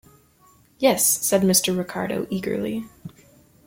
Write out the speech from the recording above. "Yes," said Mr. Ricardo eagerly.